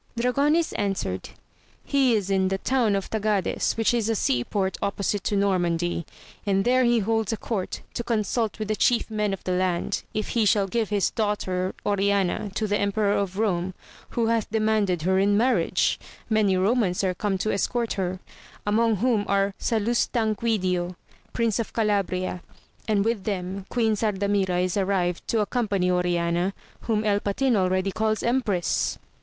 Dragonis answered. He is in the town of Tagades, which is a sea port opposite to Normandy : and there he holds a court, to consult with the chief men of the land, if he shall give his daughter Oriana to the Emperor of Kome, who hath demanded her in marriage ; many Eomans are come to escort her, among whom are Salustanquidio, Prince of Calabria, and with them Queen Sardamira is arrived to accompany Oriana, whom El Patin already calls empress.